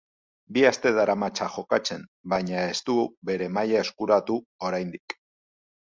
Bi aste daramatza jokatzen, baina ez du bere maila eskuratu oraindik.